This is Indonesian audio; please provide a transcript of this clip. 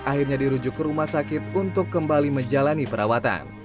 akhirnya dirujuk ke rumah sakit untuk kembali menjalani perawatan